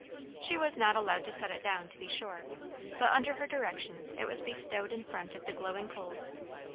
She was not allowed to set it down, to be sure, but under her directions it was bestowed in front of the glowing coals.